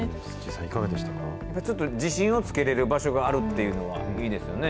さん、いかがでしたちょっと自信をつけれる場所があるというのはいいですよね。